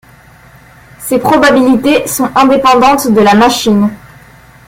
Ces probabilités sont indépendantes de la machine.